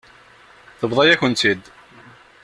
Tebḍa-yakent-tt-id.